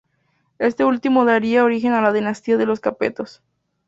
Este último daría origen a la dinastía de los Capetos.